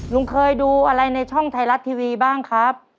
ลุงเคยดูอะไรในช่องไทยรัฐทีวีบ้างครับ